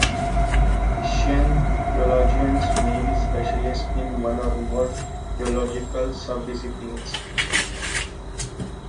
Christian theologians may be specialists in one or more theological sub-disciplines.